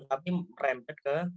tapi merempet ke